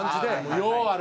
ようある！